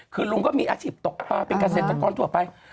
คือลุงก็มีอาชีพตกภาพเป็นการเศรษฐกรทั่วไป